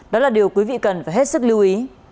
đó là điều quý vị cần phải hết sức lưu ý